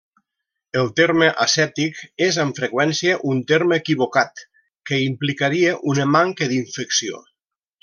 El terme asèptic és amb freqüència un terme equivocat, que implicaria una manca d'infecció.